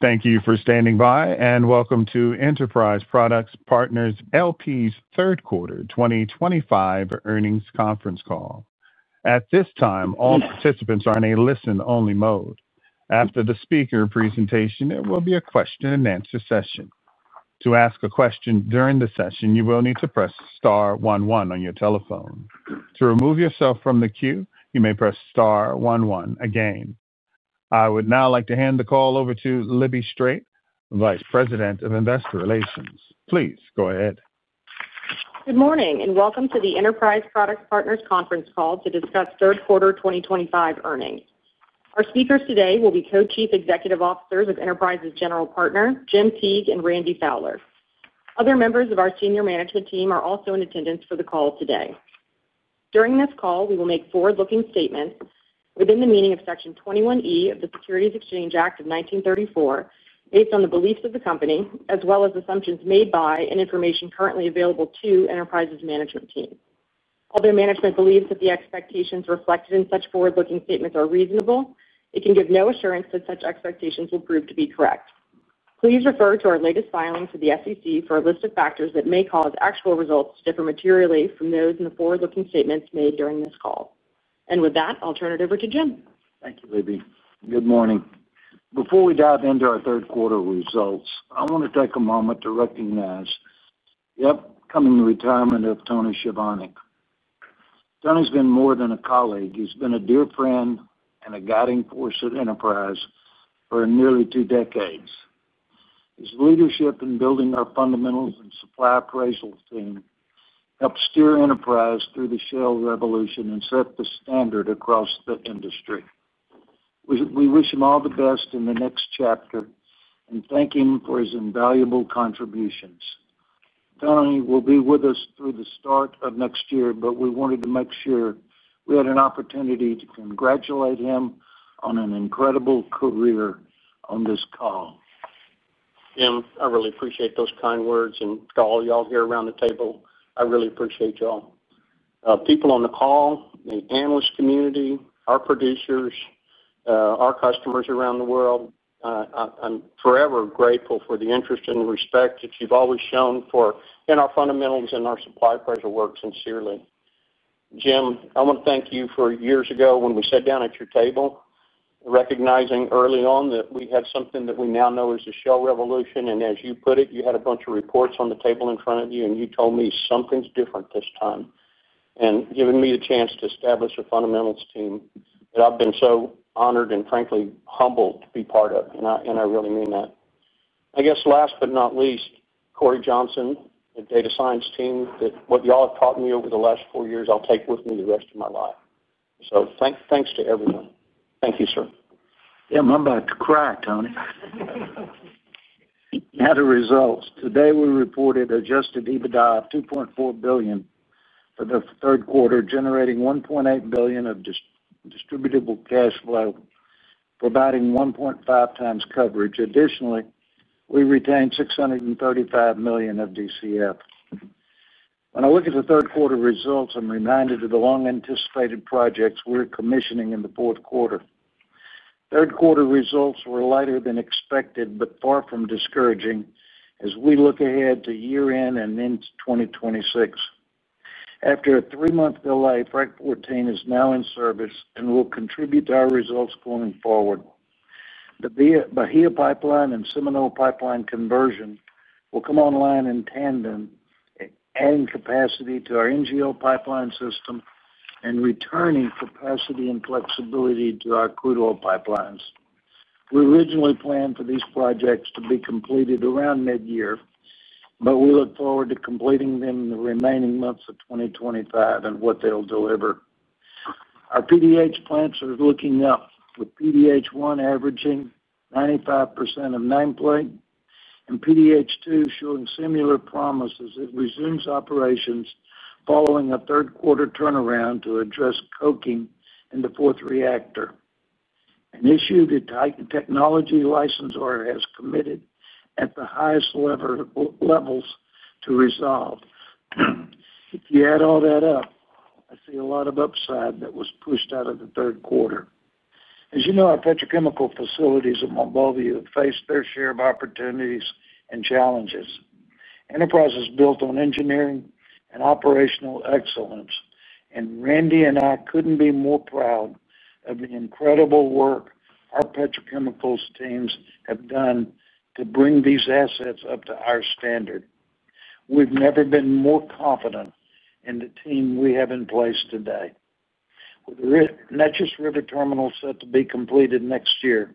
Thank you for standing by and welcome to Enterprise Products Partners L.P.'s third quarter 2025 earnings conference call. At this time, all participants are in a listen-only mode. After the speaker presentation, there will be a question and answer session. To ask a question during the session, you will need to press star 11 on your telephone. To remove yourself from the queue, you may press star 11 again. I would now like to hand the call over to Libby Strait, Vice President of Investor Relations. Please go ahead. Good morning and welcome to the Enterprise Products Partners conference call to discuss third quarter 2025 earnings. Our speakers today will be Co-Chief Executive Officers of Enterprise's general partner, Jim Teague and Randy Fowler. Other members of our senior management team are also in attendance for the call today. During this call we will make forward-looking statements within the meaning of Section 21E of the Securities Exchange Act of 1934 based on the beliefs of the company as well as assumptions made by and information currently available to Enterprise's management team. Although management believes that the expectations reflected in such forward-looking statements are reasonable, it can give no assurance that such expectations will prove to be correct. Please refer to our latest filings with the SEC for a list of factors that may cause actual results to differ materially from those in the forward-looking statements made during this call. With that, I'll turn it over to Jim. Thank you, Libby. Good morning. Before we dive into our third quarter results, I want to take a moment to recognize the upcoming retirement of Tony Chovanec. Tony's been more than a colleague. He's been a dear friend and a guiding force at Enterprise for nearly two decades. His leadership in building our fundamentals and supply appraisals helped steer Enterprise through the shale revolution and set the standard across the industry. We wish him all the best in the next chapter and thank him for his invaluable contributions. Tony will be with us through the start of next year, but we wanted to make sure we had an opportunity to congratulate him on an incredible career on this call. Jim, I really appreciate. Those kind words and to all y'all here around the table, I really appreciate y'all people on the call, the analyst community, our producers, our customers around the world. I'm forever grateful for the interest and respect that you've always shown for in our fundamentals and our supply pressure work. Sincerely, Jim, I want to thank you for years ago when we sat down at your table recognizing early on that we had something that we now know as the Shale revolution and as you put it, you had a bunch of reports on the table in front of you and you told me something's different this time and giving me the chance to establish a fundamentals team that I've been so honored and frankly humbled to be part of. I really mean that. I guess last but not least, Corey Johnson, the data science team, what y'all have taught me over the last four years I'll take with me the rest of my life. Thanks to everyone. Thank you, sir. I'm about to cry, Tony. Matter results today, we reported adjusted EBITDA of $2.4 billion for the third quarter, generating $1.8 billion of distributable cash flow, providing 1.5x coverage. Additionally, we retained $635 million of DCF. When I look at the third quarter results, I'm reminded of the long-anticipated projects we're commissioning in the fourth quarter. Third quarter results were lighter than expected, but far from discouraging as we look ahead to year end and into 2026. After a three-month delay, Frac 14 is now in service and will contribute to our results going forward. The Bahia Pipeline and Seminole Pipeline Conversion will come online in tandem, adding capacity to our NGL pipeline system and returning capacity and flexibility to our crude oil pipelines. We originally planned for these projects to be completed around mid-year, but we look forward to completing them in the remaining months of 2025 and what they'll deliver. Our PDH plants are looking up, with PDH 1 averaging 95% of nameplate and PDH 2 showing similar promise as it resumes operations following a third quarter turnaround to address coking in the fourth reactor, an issue the technology licensor has committed at the highest levels to resolve. If you add all that up, I see a lot of upside that was pushed out of the third quarter. As you know, our petrochemical facilities at Mont Belvieu face their share of opportunities and challenges. Enterprise is built on engineering and operational excellence, and Randy and I couldn't be more proud of the incredible work our petrochemicals teams have done to bring these assets up to our standard. We've never been more confident in the team we have in place today. With the Neches River Terminal set to be completed next year,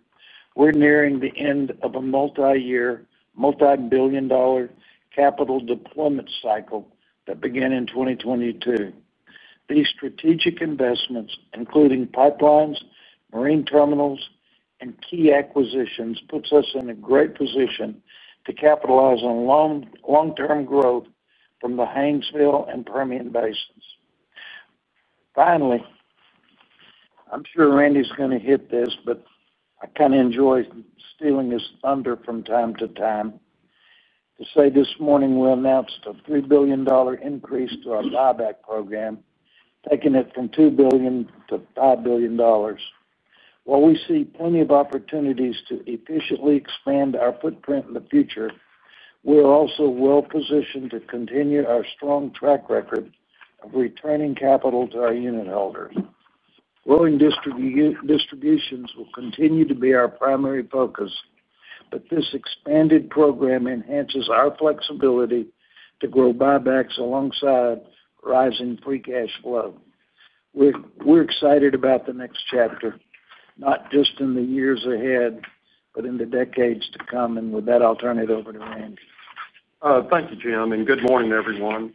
we're nearing the end of a multi-year, multi-billion dollar capital deployment cycle that began in 2022. These strategic investments, including pipelines, marine terminals, and key acquisitions, put us in a great position to capitalize on long-term growth from the Haynesville and Permian basins. Finally, I'm sure Randy's going to hit this, but I kind of enjoy stealing his thunder from time to time to say this morning we announced a $3 billion increase to our buyback program, taking it from $2 billion to $5 billion. While we see plenty of opportunities to efficiently expand our footprint in the future, we are also well positioned to continue our strong track record of returning capital to our unitholders. Growing distributions will continue to be our primary focus, but this expanded program enhances our flexibility to grow buybacks alongside rising free cash flow. We're excited about the next chapter, not just in the years ahead, but in the decades to come. With that, I'll turn it over to Randy. Thank you, Jim, and good morning everyone.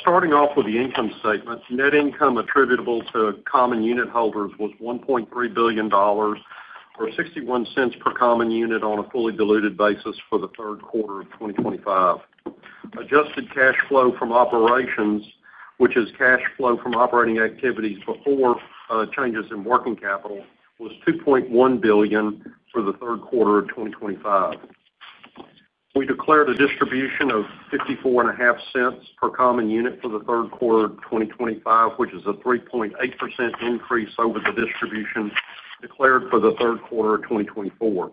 Starting off with the income statement, net income attributable to common unitholders was $1.3 billion, or $0.61 per common unit on a fully diluted basis for the third quarter of 2025. Adjusted cash flow from operations, which is cash flow from operating activities before changes in working capital, was $2.1 billion for the third quarter of 2025. We declared a distribution of $0.545 per common unit for the third quarter 2025, which is a 3.8% increase over the distribution declared for the third quarter of 2024.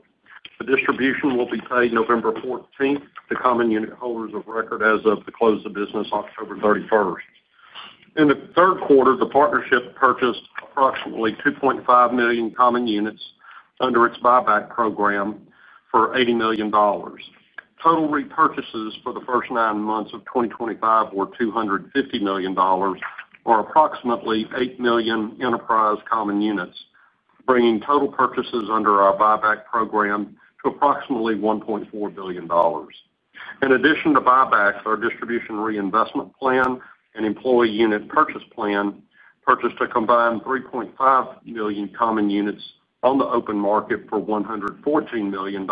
The distribution will be paid November 14th to common unitholders of record as of the close of business October 31st. In the third quarter, the partnership purchased approximately 2.5 million common units under its buyback program for $80 million. Total repurchases for the first nine months of 2025 were $250 million, or approximately 8 million Enterprise common units, bringing total purchases under our buyback program to approximately $1.4 billion. In addition to buybacks, our distribution reinvestment plan and employee unit purchase plan purchased a combined 3.5 million common units on the open market for $114 million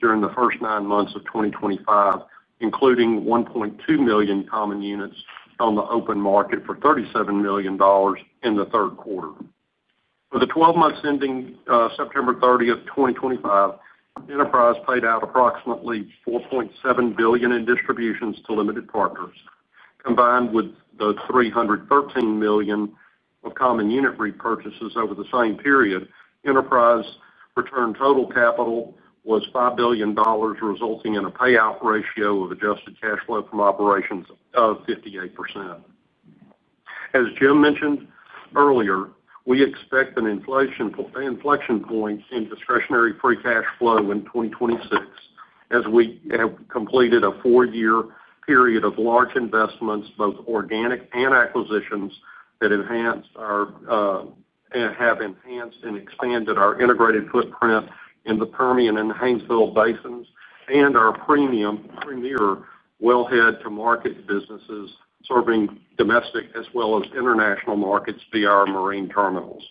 during the first nine months of 2025, including 1.2 million common units on the open market for $37 million in the third quarter. For the twelve months ending September 30th, 2025, Enterprise paid out approximately $4.7 billion in distributions to limited partners combined with the $313 million of common unit repurchases over the same period, Enterprise return total capital was $5 billion, resulting in a payout ratio of adjusted cash flow from operations of 58%. As Jim mentioned earlier, we expect an inflation inflection point in discretionary free cash flow in 2026 as we have completed a four year period of large investments, both organic and acquisitions, that have enhanced and expanded our integrated footprint in the Permian and Haynesville Basins and our premier wellhead to market businesses serving domestic as well as international markets via our marine terminals.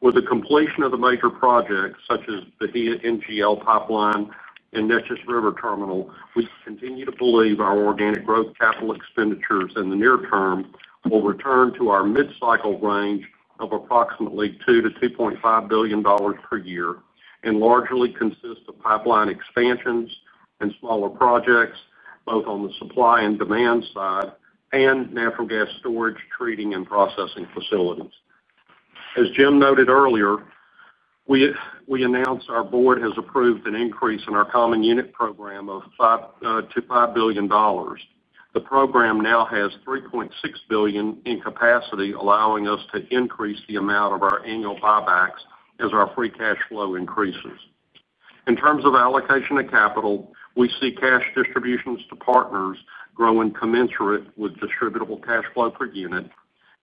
With the completion of the major projects such as Bahia NGL pipeline and Neches River Terminal, we continue to believe our organic growth capital expenditures in the near term will return to our mid cycle range of approximately $2 billion-$2.5 billion per year and largely consist of pipeline expansions and smaller projects both on the supply and demand side and natural gas storage, treating and processing facilities. As Jim noted earlier, we announced our board has approved an increase in our common unit program of $5 billion. The program now has $3.6 billion in capacity, allowing us to increase the amount of our annual buybacks as our free cash flow increases. In terms of allocation of capital, we see cash distributions to partners growing commensurate with distributable cash flow per unit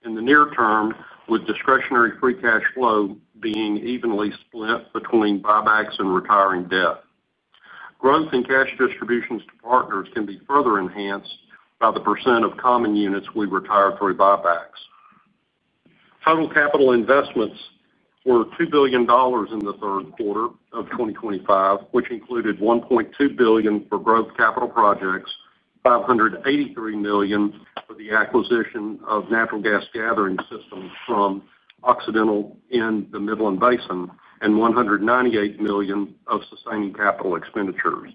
in the near term, with discretionary free cash flow being evenly split between buybacks and retiring debt. Growth in cash distributions to partners can be further enhanced by the percent of common units we retire through buybacks. Total capital investments were $2 billion in the third quarter of 2025, which included $1.2 billion for growth capital projects, $583 million for the acquisition of natural gas gathering systems from Occidental in the Midland Basin, and $198 million of sustaining capital expenditures.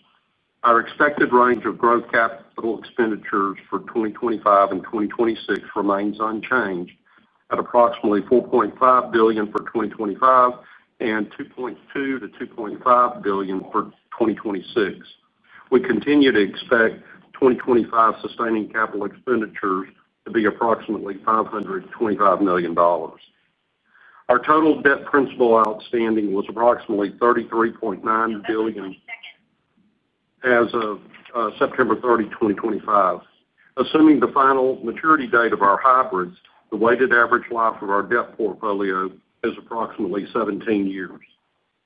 Our expected range of growth capital expenditures for 2025 and 2026 remains unchanged at approximately $4.5 billion for 2025 and $2.2 billion-$2.5 billion for 2026. We continue to expect 2025 sustaining capital expenditures to be approximately $525 million. Our total debt principal outstanding was approximately $33.9 billion as of September 30, 2025. Assuming the final maturity date of our hybrids, the weighted average life of our debt portfolio is approximately 17 years.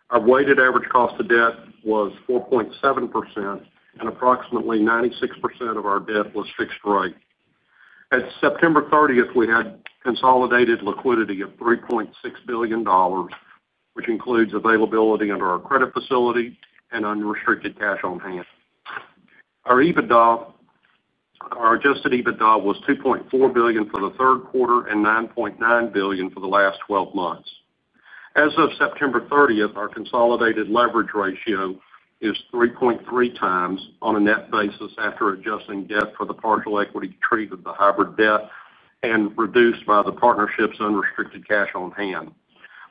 Our weighted average cost of debt was 4.7% and approximately 96% of our debt was fixed rate. At September 30th, we had consolidated liquidity of $3.6 billion, which includes availability under our credit facility and unrestricted cash on hand. Our adjusted EBITDA was $2.4 billion for the third quarter and $9.9 billion for the last 12 months. As of September 30th, our consolidated leverage ratio is 3.3x on a net basis after adjusting debt for the partial equity, treated the hybrid debt and reduced by the partnership's unrestricted cash on hand.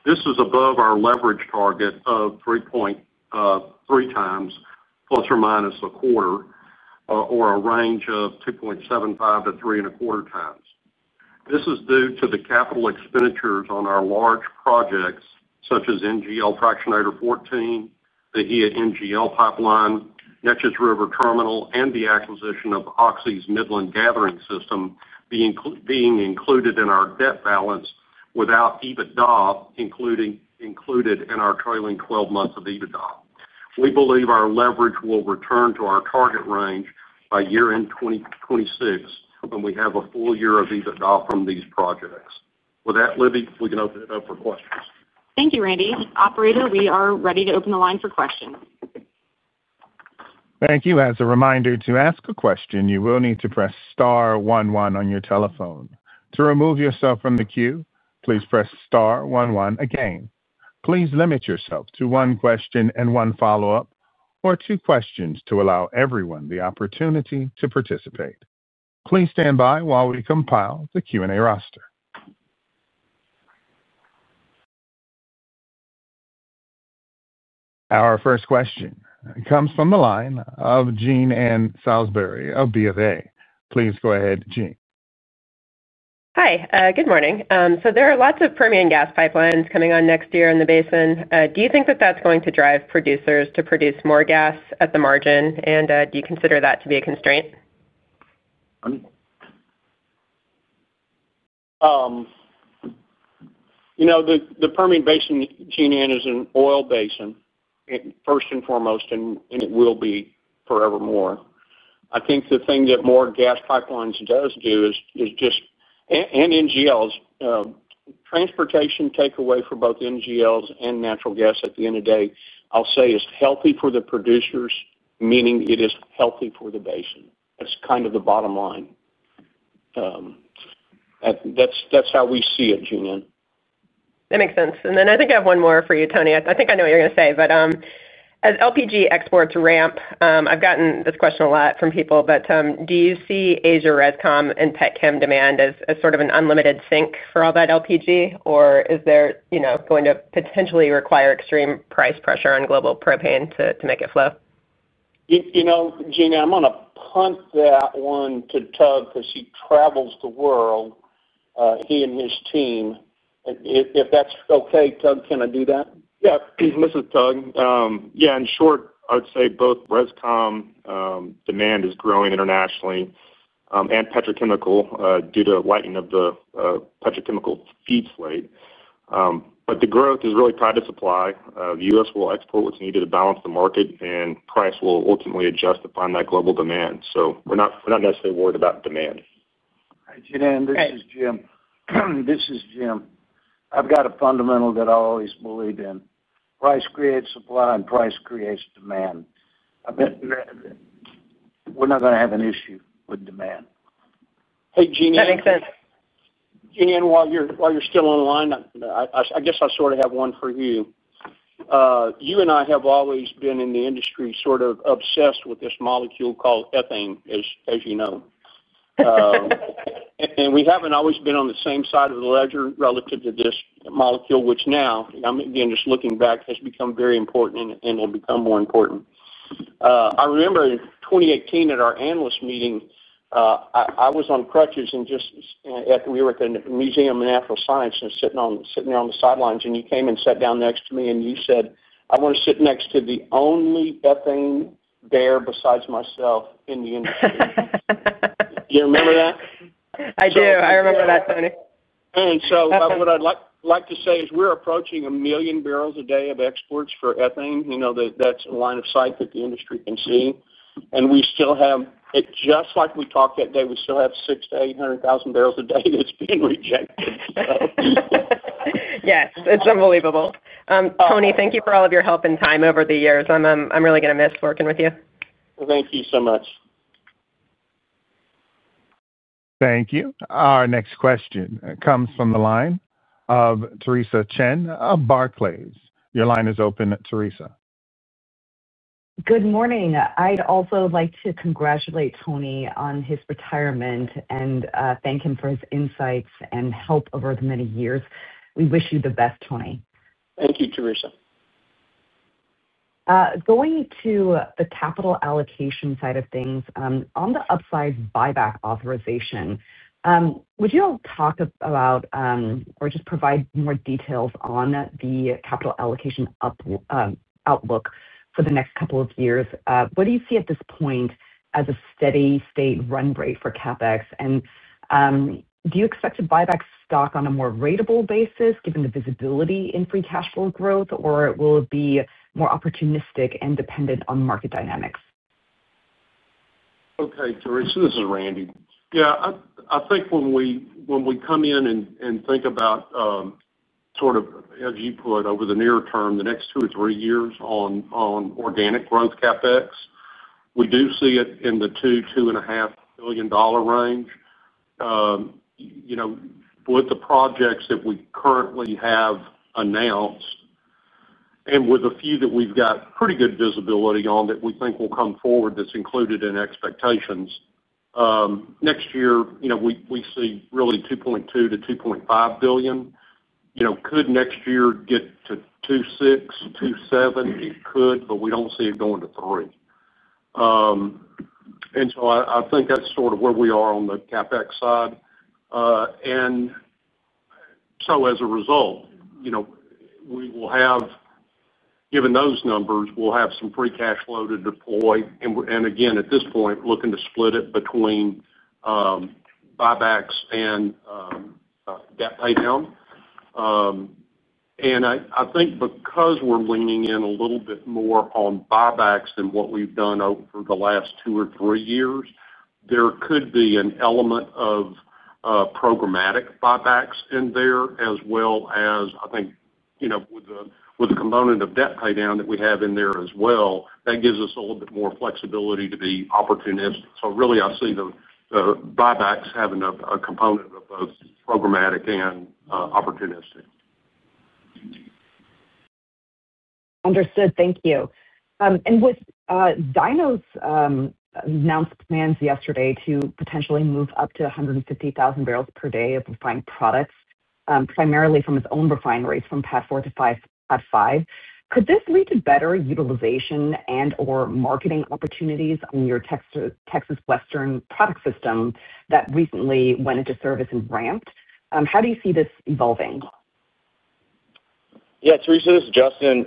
This is above our leverage target of 3.3x plus or minus a quarter, or a range of 2.75x-3.25x. This is due to the capital expenditures on our large projects such as Frac 14, Bahia NGL Pipeline, Neches River Terminal, and the acquisition of Occidental's Midland gathering system being included in our debt balance. Without EBITDA included in our trailing 12 months of EBITDA, we believe our leverage will return to our target range by year end 2026 when we have a full year of EBITDA from these projects. With that, Libby, we can open it up for questions. Thank you, Randy. Operator, we are ready to open the line for questions. Thank you. As a reminder to ask a question, you will need to press Star 11 on your telephone to remove yourself from the queue. Please press Star 11 again. Please limit yourself to one question and one follow-up or two questions to allow everyone the opportunity to participate. Please stand by while we compile the Q&A roster. Our first question comes from the line of Jean Ann Salisbury of BofA. Please go ahead, Jean. Good morning. There are lots of Permian gas pipelines coming on next year in the basin. Do you think that that's going to drive producers to produce more gas at the margin? Do you consider that to be a constraint? You know the Permian Basin, Jean Ann is an oil basin first and foremost and it will be forevermore. I think the thing that more gas pipelines does do is just add NGLs transportation takeaway for both NGLs and natural gas. At the end of the day, I'll say it's healthy for the producers, meaning. It is healthy for the basin. That's kind of the bottom line. That's how we see it. Jean, that makes sense. I think I have one more for you, Tony. I think I know what you're going to say, but as LPG exports ramp, I've gotten this question a lot from people. Do you see Asia, rescom and petchem demand as sort of an unlimited sink for all that LPG, or is there going to potentially require extreme price pressure on global propane to make it flow? You know, Jean, I'm going to punt that one to Tug because he travels the world, he and his team, if that's okay. Tug, can I do that? Yeah, this is Tug. In short, I would say both. Rescom demand is growing internationally and petrochemical due to lightening of the petrochemical feed slate. The growth is really tied to supply. The U.S. will export what's needed to balance the market, and price will ultimately adjust upon that global demand. We're not necessarily worried about demand. This is Jim. This is Jim. I've got a fundamental that I always believed in. Price creates supply, and price creates demand. We're not going to have an issue with demand. Hey Jean, that makes sense. Jean, while you're still online, I guess I sort of have one for you. You and I have always been in the industry sort of obsessed with this molecule called ethane as you and we haven't always been on the same side of the ledger relative to this molecule, which now again just looking back has become very important and will become more important. I remember in 2018 at our analyst meeting I was on crutches and we were at the Museum of Natural Science and sitting there on the sidelines and you came and sat down next to me and you said I want to sit next to the only methane bear besides myself in the industry. You remember that? I do. I remember that, Tony. What I'd like to say is we're approaching a million barrels a day of exports for ethane. You know, that's a line of sight that the industry can see and we still have it. Just like we talked that day, we still have 600,000-800,000 barrels a day that's being rejected. Yes, it's unbelievable. Tony, thank you for all of your help and time over the years. I'm really going to miss working with you. Thank you so much. Thank you. Our next question comes from the line of Theresa Chen of Barclays. Your line is open. Theresa, good morning. I'd also like to congratulate Tony on his retirement and thank him for his insights and help over the many years. We wish you the best, Tony. Thank you, Theresa. Going to the capital allocation side of things on the upside buyback authorization, would you talk about or just provide more details on the capital allocation outlook for the next couple of years? What do you see at this point as a steady state run rate for CapEx, and do you expect to buy back stock on a more ratable basis given the visibility in free cash flow growth, or will it be more opportunistic and dependent on market dynamics? Okay. Theresa, this is Randy. Yeah, I think when we come in and think about sort of as you put over the near term, the next two or three years on organic growth CapEx, we do see it in the $2 billion-$2.5 billion range. With the projects that we currently have announced and with a few that we've got pretty good visibility on that we think will come forward, that's included in expectations next year. We see really $2.2 billion-$2.5 billion. Could next year get to $2.6 billion-$2.7 billion? It could, but we don't see it going to $3 billion. I think that's sort of where we are on the CapEx side. As a result, given those numbers, we'll have some free cash flow to deploy. At this point, looking to split it between buybacks and debt pay down. I think because we're leaning in a little bit more on buybacks than what we've done over the last two or three years, there could be an element of programmatic buybacks in there as well. With the component of debt pay down that we have in there as well, that gives us a little bit more flexibility to be opportunistic. I see the buybacks having a component of both programmatic and opportunistic. Understood, thank you. With Dyno's announced plans yesterday to potentially move up to 150,000 bpd of refined products, primarily from its own refineries, from PADD 4 to PADD 5, could this lead to better utilization and/or marketing opportunities on your Texas Western product system that recently went into service and ramped? How do you see this evolving? Yeah, Theresa, this is Justin.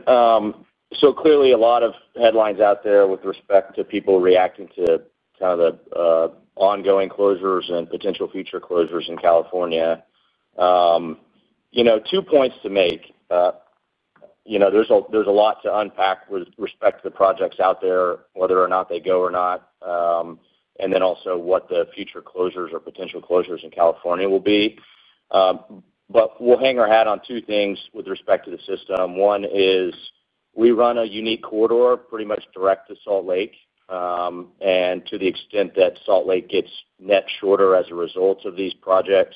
Clearly, a lot of headlines out there with respect to people reacting to the ongoing closures and potential future closures in California. Two points to make. There's a lot to unpack with respect to the projects out there, whether or not they go or not, and also what the future closures or potential closures in California will be. We'll hang our hat on two things with respect to the system. One is we run a unique corridor pretty much direct to Salt Lake. To the extent that Salt Lake gets net shorter as a result of these projects,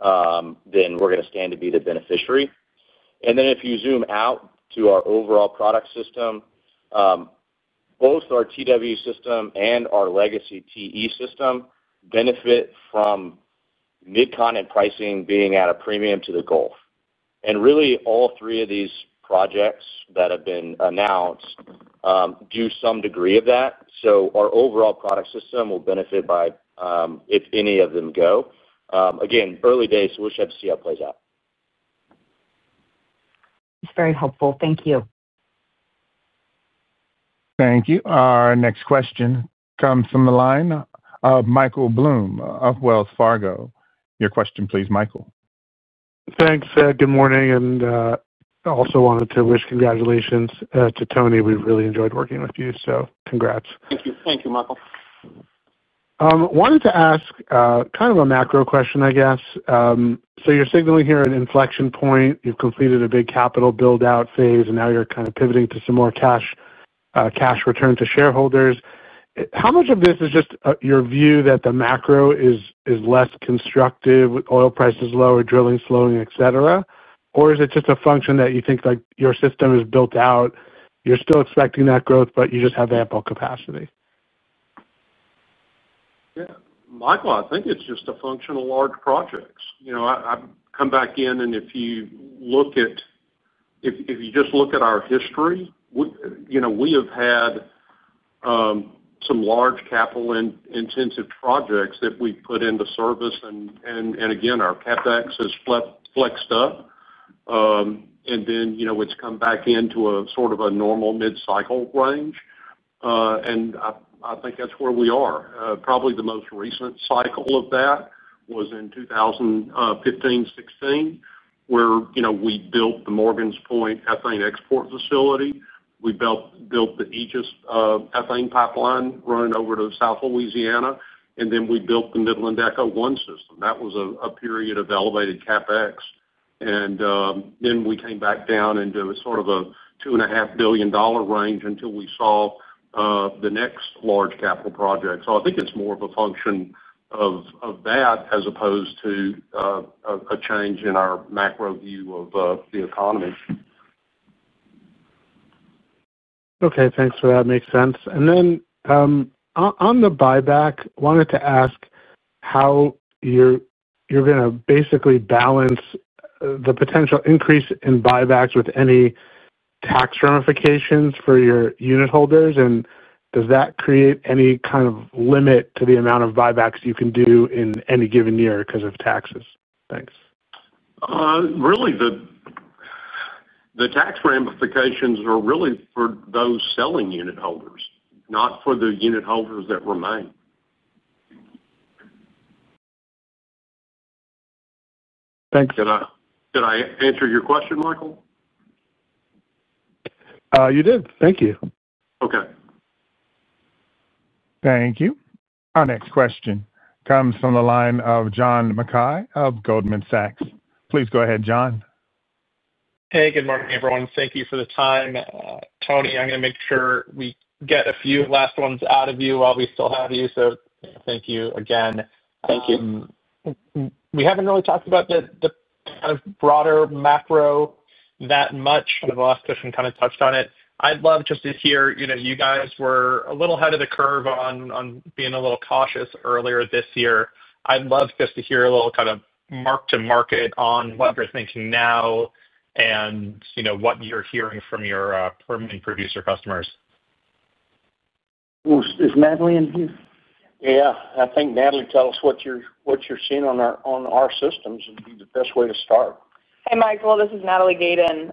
we're going to stand to be the beneficiary. If you zoom out to our overall product system, both our TW system and our legacy TE system benefit from Mid Continent pricing being at a premium to the Gulf. Really, all three of these projects that have been announced do some degree of that. Our overall product system will benefit if any of them go. Again, early days, so we'll just have to see how it plays out. That's very helpful. Thank you. Thank you. Our next question comes from the line of Michael Blum of Wells Fargo. Your question please, Michael. Thanks. Good morning. I also wanted to wish congratulations to Tony. We really enjoyed working with you. Congrats. Thank you. Thank you. Michael, wanted to ask kind of a question. Macro question, I guess. You're signaling here an inflection point. You've completed a big capital build-out phase and now you're kind of pivoting to some more cash, cash return to shareholders. How much of this is just your view that the macro is less constructive? Oil prices lower, drilling slowing, etc. Is it just a function that you think your system is built out, you're still expecting that growth but you just have ample capacity? Yeah, Michael, I think it's just a function of large projects. I come back in and if you look at, if you just look at our history, we have had some large capital intensive projects that we put into service and again our CapEx has flexed up and then it's come back into a sort of a normal mid-cycle range and I think that's where we are. Probably the most recent cycle of that was in 2015, 2016, where we built the Morgan's Point ethane export facility. We built the Aegis Ethane Pipeline running over to South Louisiana and then we built the Midland ECHO 1 system. That was a period of elevated CapEx. We came back down into sort of a $2.5 billion range until we saw the next large capital project. I think it's more of a function that as opposed to a change in our macro view of the economy. Okay, thanks for that. Makes sense. On the buyback, wanted to ask how you're going to basically balance. The potential increase in buybacks with any tax ramifications for your unitholders, and does that create any kind of limit to the amount of buybacks you can do in any given year because of taxes? Thanks. Really, the tax ramifications are really for those selling unitholders, not for the unitholders that remain. Thank you. Did I answer your question, Michael? You did. Thank you. Okay, thank you. Our next question comes from the line of John Mackay of Goldman Sachs. Please go ahead, John. Hey, good morning everyone. Thank you for the time, Tony. I'm going to make sure we get a few last ones out of you while we still have you. Thank you again. Thank you. We haven't really talked about the broader macro that much. The last question kind of touched on it. I'd love just to hear you guys were a little ahead of the curve on being a little cautious earlier this year. I'd love just to hear a little kind of mark to market on what they're thinking now and what you're hearing from your Permian producer customers. Is Natalie in here? Yeah, I think, Natalie, tell us what you're seeing on our systems would be the best way to start. Hey, Michael, this is Natalie Gayden.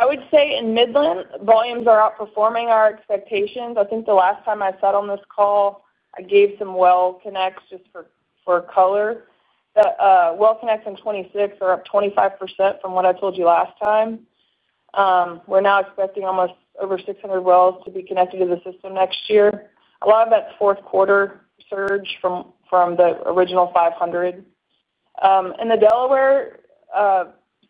I would say in Midland volumes are outperforming our expectations. I think the last time I sat on this call I gave some well connects just for color. Well connects in 2026 are up 25% from what I told you last time. We're now expecting almost over 600 wells to be connected to the system next year. A lot of that is fourth quarter surge from the original 500 in the Delaware.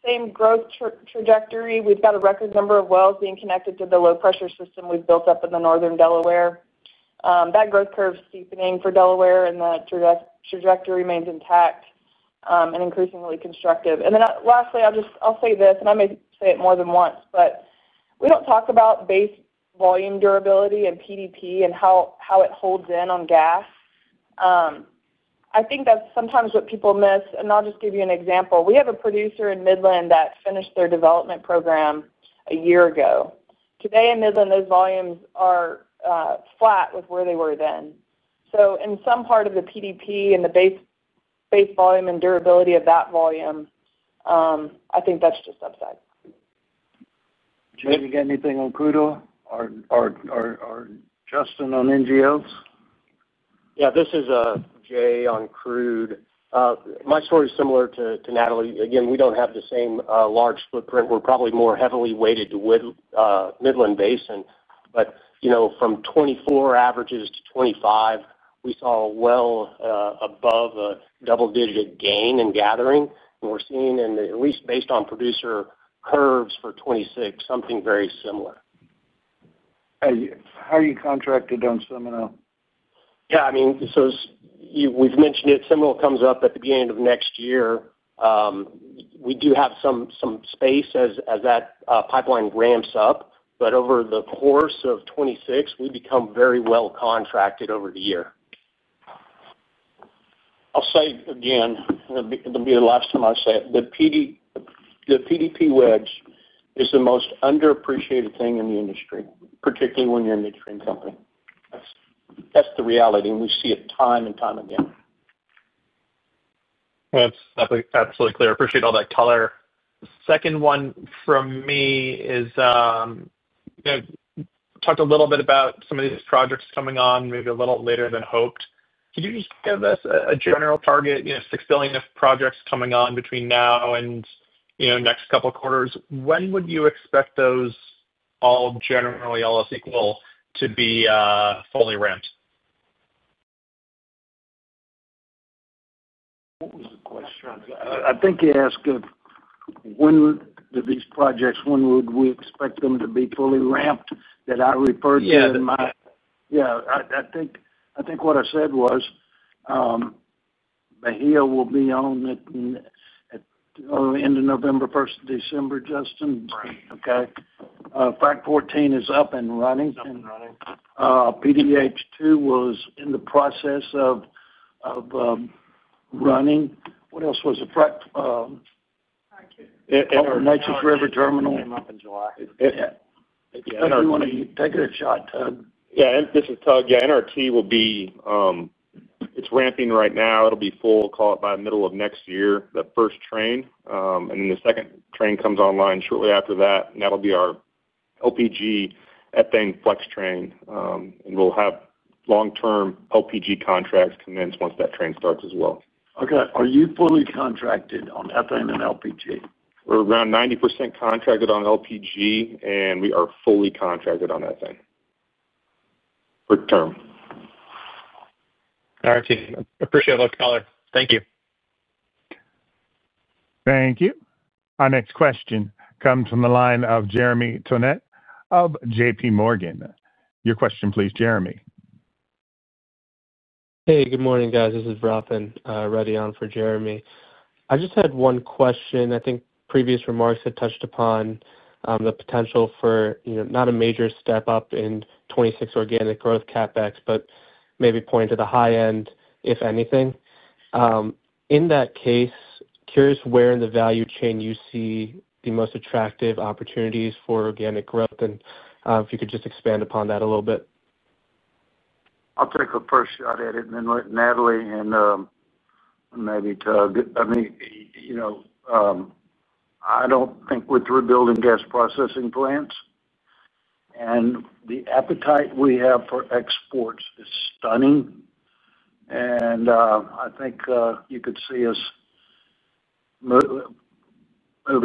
Same growth trajectory. We've got a record number of wells being connected to the low pressure system we've built up in the northern Delaware. That growth curve is steepening for Delaware and that trajectory remains intact and increasingly constructive. Lastly, I'll say this, and I may say it more than once, we don't talk about base volume durability and PDP and how it holds in on gas. I think that sometimes what people miss and I'll just give you an example. We have a producer in Midland that finished their development program a year ago. Today in Midland those volumes are flat with where they were then. In some part of the PDP and the base volume and durability of that volume, I think that's just upside down. Jay, you got anything on crude oil or Justin on NGLs? Yeah, this is Jay on crude. My story is similar to Natalie. Again, we don't have the same large footprint. We're probably more heavily weighted to Midland Basin. From 2024 averages to 2025, we saw well above a double-digit gain in gathering, and we're seeing at least based on producer curves for 2026, something very similar. How are you contracted on Seminole? Yeah, I mean, we've mentioned it. Seminole comes up at the beginning of next year. We do have some space as that pipeline ramps up. Over the course of 2026, we become very well contracted over the year. I'll say again, it'll be the last. Time I say it. The PDP wedge is the most underappreciated thing in the industry, particularly when you're a midstream company. That's the reality, and we see it time and time again. That's absolutely clear. I appreciate all that color. Second one from me is. Talked a. Little bit about some of these projects coming on maybe a little later than hoped. Could you just give us a general target, you know, $6 billion of projects coming on between now and, you know, next couple quarters. When would you expect those all generally all SQL to be fully ramped? What was the question? I think you asked when did these projects, when would we expect them to be fully ramped? That I referred to in my—yeah, I think what I said was Bahia will be on at end of November, 1st December. Justin, okay, Frac 14 is up and running. PDH 2 was in the process of. Running. What else was the Frac 14? River Terminal came up in July. Take a shot, Tug. Yeah, this is Tug. NRT will be, it's ramping right now. It'll be full, call it by the middle of next year, the first train, and then the second train comes online shortly after that. That'll be our LPG ethane flex train, and we'll have long-term LPG contracts commenced once that train starts as well. Okay. Are you fully contracted on ethane and LPG? We're around 90% contracted on LPG, and we are fully contracted on that thing for term. Appreciate the caller, thank you. Thank you. Our next question comes from the line of Jeremy Tonet of JPMorgan. Your question please, Jeremy. Hey, good morning guys. This is Brothan Ready on for Jeremy. I just had one question. I think previous remarks had touched upon the potential for not a major step up in 2026 organic growth CapEx but maybe point to the high end if anything. In that case, curious where in the value chain you see the most attractive opportunities for organic growth. If you could just expand upon that a little bit, I'll take a. First shot at it and then let Natalie and maybe Tug. I mean, you know, I don't think we're building gas processing plants and the appetite we have for exports is stunning. I think you could see us moving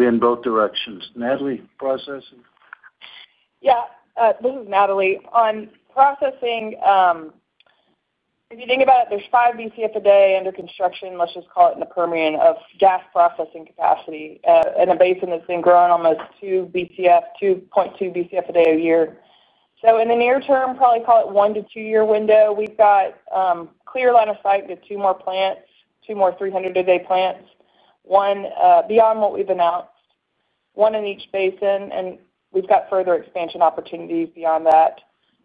in both directions. Natalie, processing. Yeah, this is Natalie on processing. If you think about it, there's 5 Bcf a day under construction. Let's just call it in the Permian of gas processing capacity in a basin that's been growing almost 2 Bcf, 2.2 Bcf a day a year. In the near term, probably call it one to two year window, we've got clear line of sight to two more plants, two more 300 a day plants, one beyond what we've announced, one in each basin, and we've got further expansion opportunities beyond that.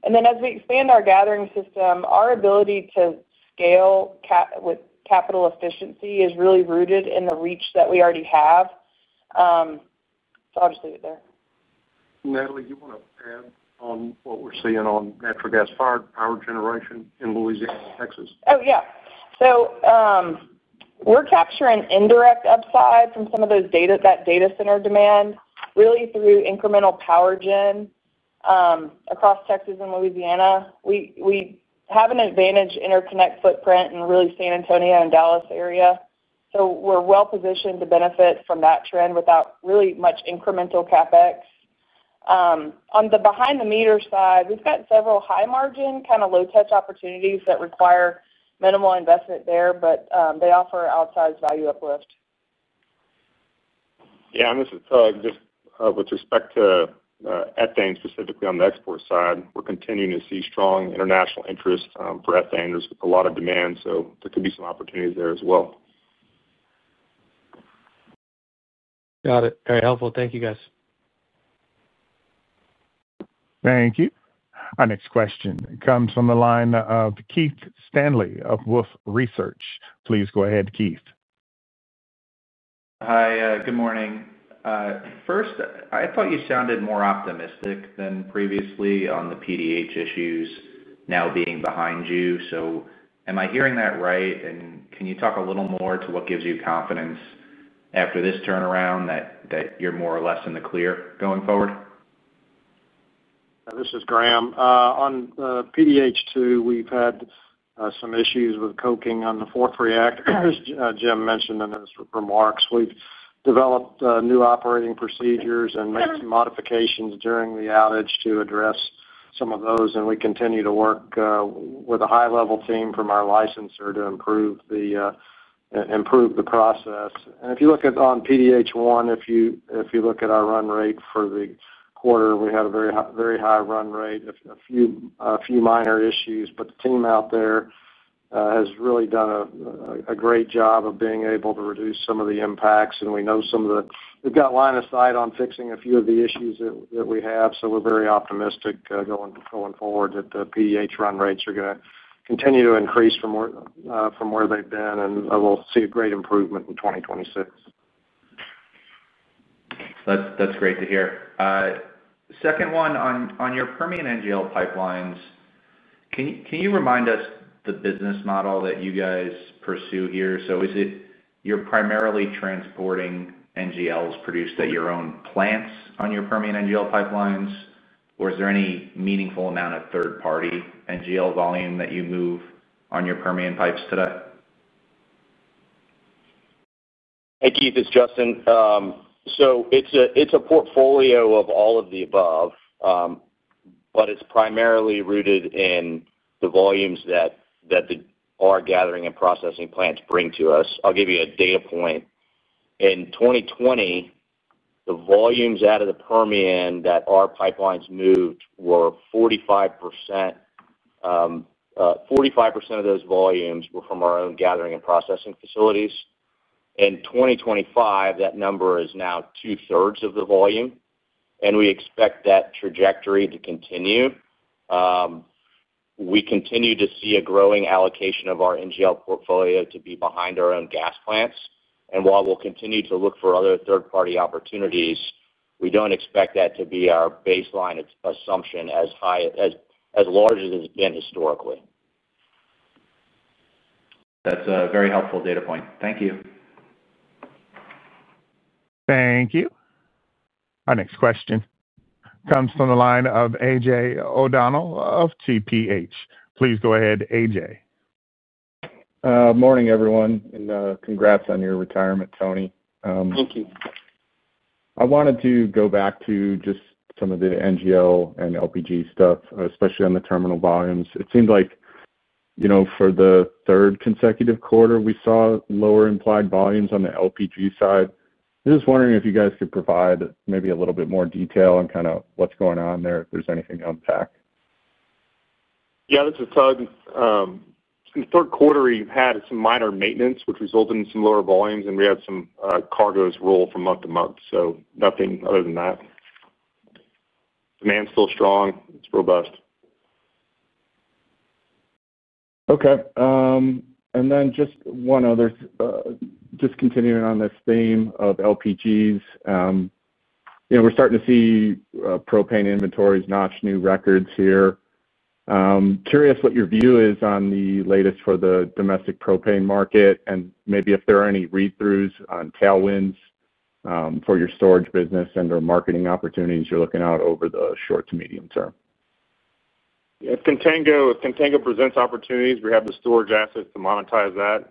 As we expand our gathering system, our ability to scale with capital efficiency is really rooted in the reach that we already have. I'll just leave it there. Natalie, you want to add on what we're seeing on natural gas-fired power generation in Louisiana, Texas? We're capturing indirect upside from some of that data center demand really through incremental power generation across Texas and Louisiana. We have an advantaged interconnect footprint in the San Antonio and Dallas area. We're well positioned to benefit from that trend without really much incremental CapEx. On the behind-the-meter side, we've got several high-margin, kind of low-touch opportunities that require minimal investment there, but they offer opportunities for value uplift. Yeah, and this is just with respect to ethane specifically on the export side. We're continuing to see strong international interest for ethane. There's a lot of demand, so there could be some opportunities there as well. Got it. Very helpful. Thank you, guys. Thank you. Our next question comes from the line of Keith Stanley of Wolfe Research. Please go ahead. Keith. Hi, good morning. First, I thought you sounded more optimistic than previously on the PDH issues now being behind you. Am I hearing that right? Can you talk a little more to what gives you confidence after this turnaround that you're more or less in? The clear going forward? This is Graham on PDH 2. We've had some issues with coking on. The fourth reactor, as Jim mentioned in his remarks. We've developed new operating procedures and made some modifications during the outage to address some of those, and we continue to work with a high-level team from our licenser to improve the process. If you look at PDH 1, if. You look at our run rate for the quarter, we had a very high run rate, a few minor issues. The team out there has really. Done a great job of being able to reduce some of the impacts. We know some of the we've got. Line of sight on fixing a few. Of the issues that we have. We are very optimistic going forward that the PDH run rates are going to continue to increase from where they've been, and we'll see a great improvement in 2026. That's great to hear. Second one on your Permian NGL pipelines, can you remind us the business model that you guys pursue here? Is it you're primarily transporting NGLs produced at your own plants on your Permian NGL pipelines, or is there any meaningful amount of third party NGL volume that you move on your Permian pipes today? Hey Keith, it's Justin. It's a portfolio of all of. The above, but it's primarily rooted in the volumes that our gathering and processing plants bring to us. I'll give you a data point. In 2020, the volumes out of the Permian that our pipelines moved were. 45%. Of those volumes were from our own gathering and processing facilities. In 2025, that number is now two thirds of the volume. We expect that trajectory to continue. We continue to see a growing allocation of our NGL portfolio to be behind our own gas plants. While we'll continue to look for other third party opportunities, we don't expect that to be our baseline assumption as large as it's been historically. That's a very helpful data point. Thank you. Thank you. Our next question comes from the line of AJ O'Donnell of TPH. Please go ahead, AJ. Morning everyone and congrats on your retirement, Tony. Thank you. I wanted to go back to just some of the NGL and LPG stuff, especially on the terminal volumes. It seemed like for the third consecutive quarter we saw lower implied volumes on the LPG side. Just wondering if you guys could provide maybe a little bit more detail on kind of what's going on there, if there's anything to unpack. Yeah, this is Tug. In the third quarter we had some minor maintenance, which resulted in some lower volumes, and we had some cargoes roll from month to month. Nothing other than that. Demand's still strong, it's robust. Okay. Just one other. Just continuing on this theme of LPGs, you know, we're starting to see propane inventories notch new records here. Curious what your view is on the latest for the domestic propane market and maybe if there are any read-throughs on tailwinds for your storage business and or marketing opportunities you're looking out over the short to medium term. If Contango presents opportunities, we have the storage assets to monetize that,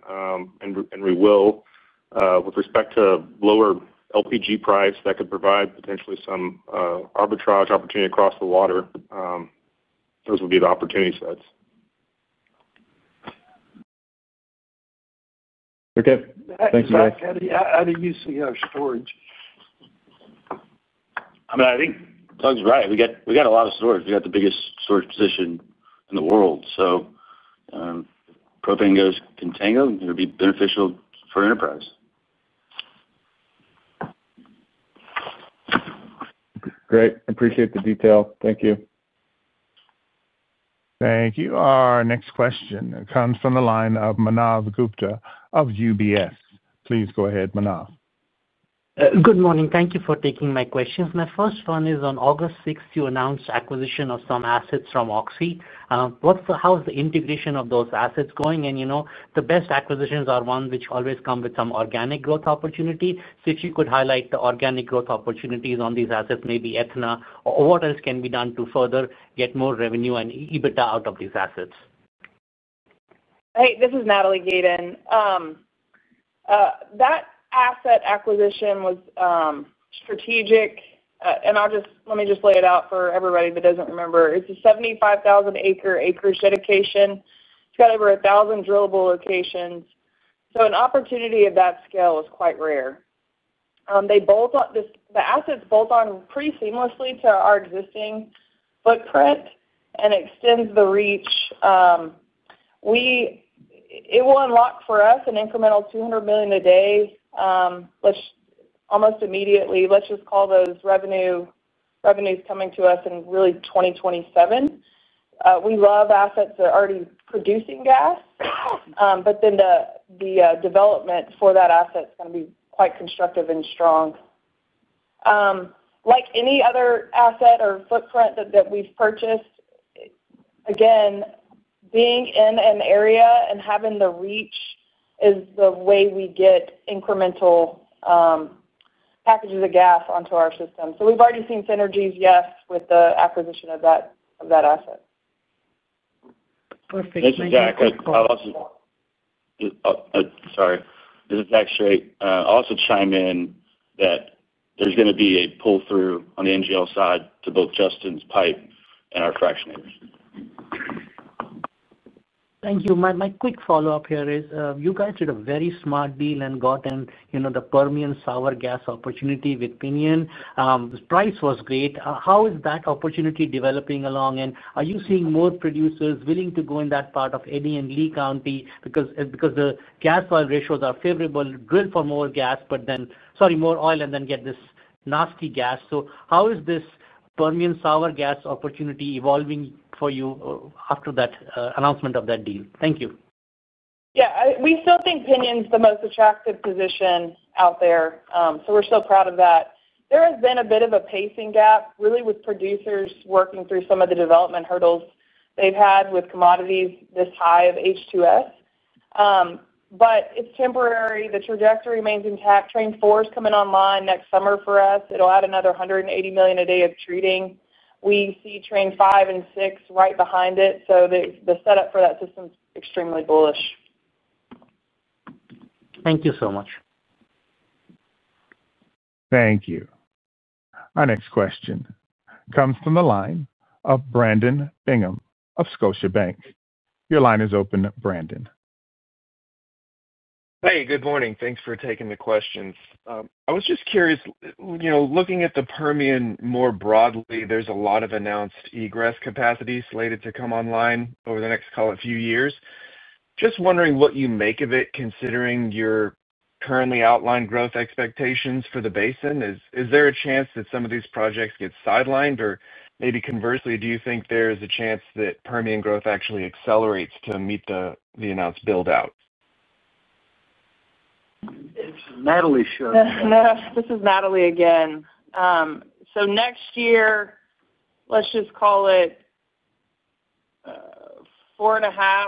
and we will. With respect to lower LPG price, that could provide potentially some arbitrage opportunity across the water. Those would be the opportunity sets. Okay, thanks guys. How do you see our storage? I mean, I think Tug's right. We got a lot of storage. We got the biggest storage position in the world. Propane goes contango. It would be beneficial for Enterprise. Great, appreciate the detail. Thank you. Thank you. Our next question comes from the line of Manav Gupta of UBS. Please go ahead. Manav. Good morning. Thank you for taking my questions. My first one is on August 6th you announced acquisition of some assets from Occidental. How is the integration of those assets going? The best acquisitions are ones which always come with some organic growth opportunity. If you could highlight the organic growth opportunities on these assets, maybe ethane or what else can be done to further get more revenue and EBITDA out of these assets? Hey, this is Natalie Gayden. That asset acquisition was strategic. Let me just lay it out for everybody that doesn't remember. It's a 75,000 acre acreage dedication. It's got over 1,000 drillable locations. An opportunity of that scale is quite rare. The assets bolt on pretty seamlessly to our existing footprint and extend the reach. It will unlock for us an incremental $200 million a day almost immediately. Let's just call those revenues coming to us in really 2027. We love assets that are already producing gas, but then the development for that asset is going to be quite constructive and strong like any other asset or footprint that we've purchased. Again, being in an area and having the reach is the way we get incremental packages of gas onto our system. We've already seen synergies with the acquisition of that asset. Perfect. This is Zach. Sorry. Also chime in that there's going to be a pull through on the NGL side to both Justin's pipe and our fractionators. Thank you. My quick follow-up here is you guys did a very smart deal and got in the Permian sour gas opportunity with Piñon. The price was great. How is that opportunity developing along, and are you seeing more producers willing to go in that part of Eddy and Lee County because the gas oil ratios are favorable, drill for more gas, but then, sorry, more oil and then get this nasty gas. How is this Permian sour gas opportunity evolving for you after that announcement of that deal? Thank you. Yeah. We still think Permian's the most attractive position out there. We're so proud of that. There has been a bit of a pacing gap, really, with producers working through some of the development hurdles they've had with commodities this high of H2S, but it's temporary. The trajectory remains intact. Train 4 is coming online next summer for us. It will add another 180 million a day of treating. We see Train 5 and 6 right behind it. The setup for that system is extremely bullish. Thank you so much. Thank you. Our next question comes from the line of Brandon Bingham of Scotiabank. Your line is open, Brandon. Hey, good morning. Thanks for taking the questions. I was just curious, you know, looking at the Permian more broadly, there's a lot of announced egress capacity slated to come online over the next, call it, few years. Just wondering what you make of it. Considering your currently outlined growth expectations for the basin, is there a chance that some of these projects get sidelined? Or maybe conversely, do you think there is a chance that Permian growth actually accelerates to meet the announced build out? This is Natalie again. Next year let's just call it 4.5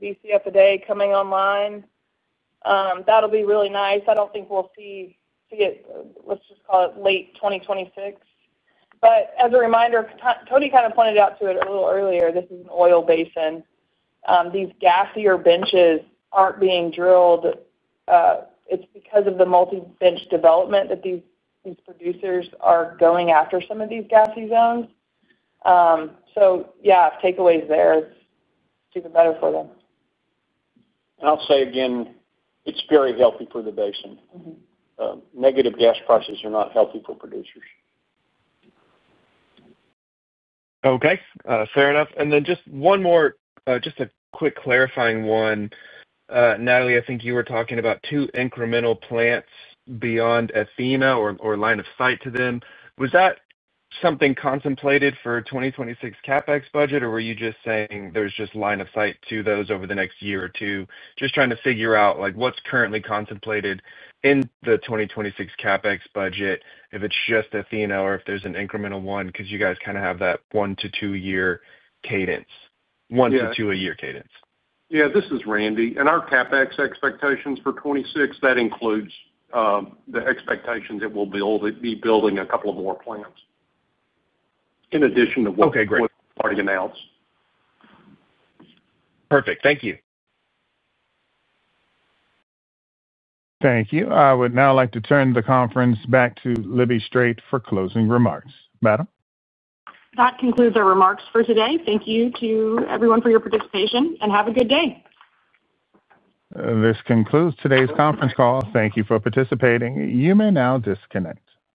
Bcf a day coming online. That will be really nice. I don't think we'll see, let's just call it late 2026. As a reminder, Tony kind of pointed out to it a little earlier, this is an oil basin. These gassier benches aren't being drilled. It's because of the multi-bench development that these producers are going after some of these gassy zones. Takeaways there, it's even better for them. I'll say again, it's very healthy for the basin. Negative gas prices are not healthy for producers. Okay, fair enough. Just one more, just a quick clarifying one. Natalie, I think you were talking about two incremental plants beyond Athena or line of sight to them. Was that something contemplated for the 2026 CapEx budget, or were you just saying there's just line of sight to those over the next year or two? Just trying to figure out what's currently contemplated in the 2026 CapEx budget, if it's just Athena or if there's an incremental one, because you guys kind of have that one to two year cadence. One to two a year cadence. Yeah. This is Randy, and our CapEx expectations for 2026, that includes the expectations that we'll be building a couple of more plants in addition to what announced. Perfect. Thank you. Thank you. I would now like to turn the conference back to Libby Strait for closing remarks. Madam, that concludes our remarks for today. Thank you to everyone for your participation, and have a good day. This concludes today's conference call. Thank you for participating. You may now disconnect.